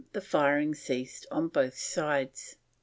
the firing ceased on both sides."